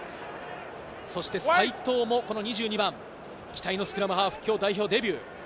そして齋藤も２２番、期待のスクラムハーフ、今日代表デビュー。